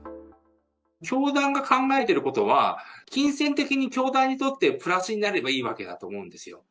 教団が考えてることは、金銭的に教会にとってプラスになればいいわけだと思うんですよ。